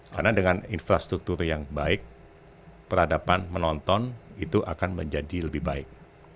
karena dengan infrastruktur yang baik peradaban menonton itu akan menjadi lebih baik